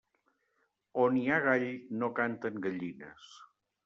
On hi ha gall, no canten gallines.